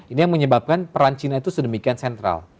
ini yang menyebabkan peran cina itu sedemikian sentral